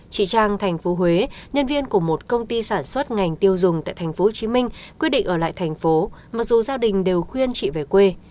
chị trang tp huế nhân viên của một công ty sản xuất ngành tiêu dùng tại tp hcm quyết định ở lại thành phố mặc dù gia đình đều khuyên chị về quê